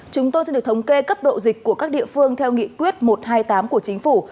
chúng tôi sẽ được thống kê cấp độ dịch của các địa phương theo nghị quyết một trăm hai mươi tám của chính phủ